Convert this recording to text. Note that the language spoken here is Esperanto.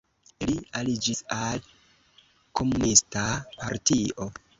Li aliĝis al komunista partio.